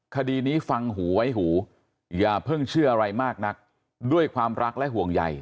คดีนี้ฟังหูไว้หูอย่าเพิ่งเชื่ออะไรมากนักด้วยความรักและห่วงใย